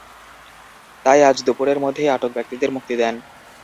তাই আজ দুপুরের মধ্যেই আটক ব্যক্তিদের মুক্তি দেন।